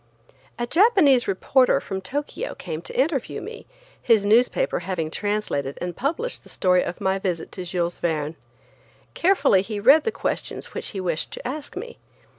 A Japanese reporter from Tokyo came to interview me, his newspaper having translated and published the story of my visit to Jules Verne. Carefully he read the questions which he wished to ask me.